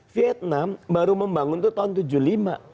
vietnam baru membangun itu tahun seribu sembilan ratus tujuh puluh lima